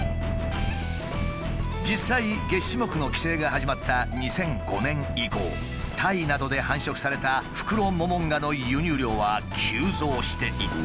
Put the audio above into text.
実際げっ歯目の規制が始まった２００５年以降タイなどで繁殖されたフクロモモンガの輸入量は急増していった。